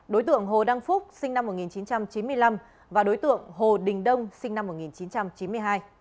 đối tượng hồ đăng phúc sinh năm một nghìn chín trăm chín mươi năm và đối tượng hồ đình đông sinh năm một nghìn chín trăm chín mươi hai